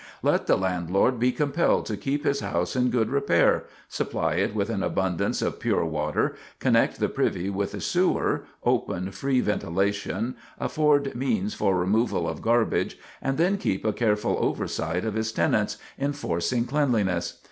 Let the landlord be compelled to keep his house in good repair, supply it with an abundance of pure water, connect the privy with the sewer, open free ventilation, afford means for removal of garbage, and then keep a careful oversight of his tenants, enforcing cleanliness.